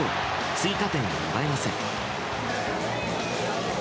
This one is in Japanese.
追加点を奪えません。